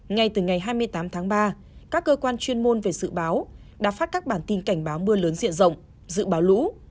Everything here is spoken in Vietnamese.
ngay từ ngày hai mươi tám tháng ba các cơ quan chuyên môn về dự báo đã phát các bản tin cảnh báo mưa lớn diện rộng dự báo lũ